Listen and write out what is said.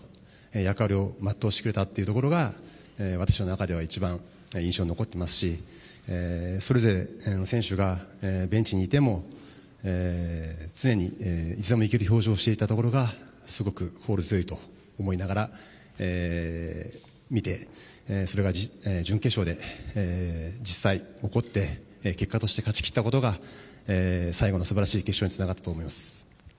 役割を全うしてくれたことが私の中では一番印象に残ってますしそれぞれ選手がベンチにいても常に、いつでもいける表情をしていたところがすごく心強いと思いながら見てそれが準決勝で実際起こって結果として勝ち切ったことが最後の素晴らしい決勝につながったと思います。